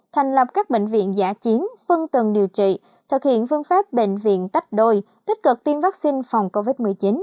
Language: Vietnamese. thành lập các bệnh viện giả chiến phân tầng điều trị thực hiện phương pháp bệnh viện tách đôi tích cực tiêm vaccine phòng covid một mươi chín